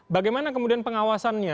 bagaimana kemudian pengawasannya